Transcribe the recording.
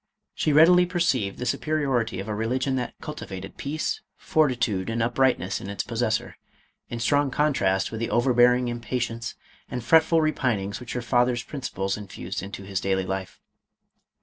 She readily perceived the superiority of a religion that cultivated peace, fortitude, and uprightness in its pos sessor, in strong contrast with the overbearing impa tience, and fretful repinings which her father's princi ples infused into his daily life.